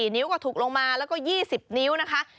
นิ้วก็ถูกลงมาแล้วก็๒๐นิ้วนะคะ